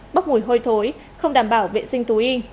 bốc mùi hôi thối không đảm bảo vệ sinh thú y